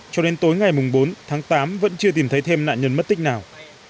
cho đến tối ngày bốn tháng tám vẫn chưa tìm thấy thêm nạn nhân mất tích nào